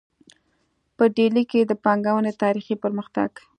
په ډیلي کې د پانګونې تاریخي پرمختګ